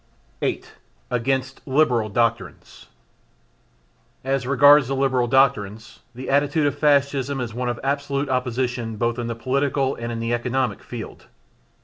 8. Against Liberal Doctrines. As regards the Liberal doctrines, the attitude of Fascism is one of absolute opposition both in the political and in the economical field.